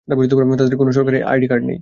তাদের কোনো সরকারি আইডি কার্ড নেই।